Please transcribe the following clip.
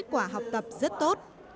kết quả học tập rất tốt